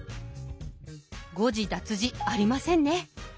誤字脱字ありませんね。